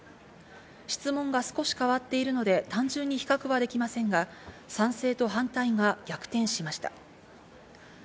質問が少し変わっているので、単純に比較はできませんが、賛成と反対が逆転しました。